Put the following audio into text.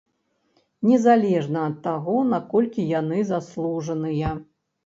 Незалежна ад таго, наколькі яны заслужаныя.